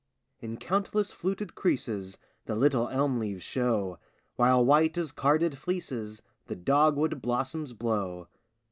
In countless fluted creases The little elm leaves show, While white as carded fleeces The dogwood blossoms blow.